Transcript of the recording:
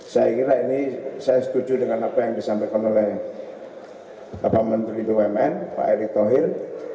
saya kira ini saya setuju dengan apa yang disampaikan oleh bapak menteri bumn pak erick thohir